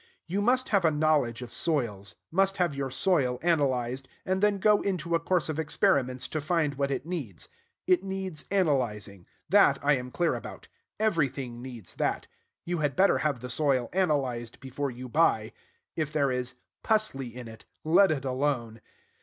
You must have a knowledge of soils, must have your soil analyzed, and then go into a course of experiments to find what it needs. It needs analyzing, that, I am clear about: everything needs that. You had better have the soil analyzed before you buy: if there is "pusley" in it, let it alone.